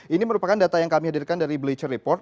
ini merupakan data yang kami hadirkan dari bleacher report